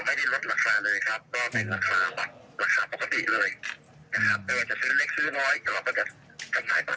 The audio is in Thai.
ไปจะซื้อเล็กซื้อน้อยแต่เราก็จะกำไรบัตรเดียวราคาปกติ